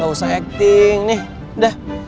gak usah acting nih dah